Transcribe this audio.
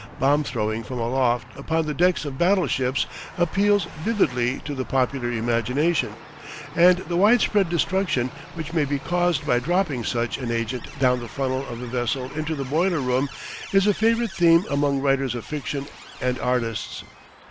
Bomb throwing from aloft upon the decks of battleships appeals vividly to the popular imagination, and the widespread destruction which may be caused by dropping such an agent down the funnel of a vessel into the boiler room is a favourite theme among writers of fiction and artists.